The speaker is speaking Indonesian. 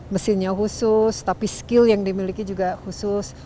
mesinnya khusus tapi skill yang dimiliki juga khusus